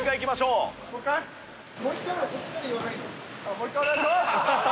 もう一回お願いします！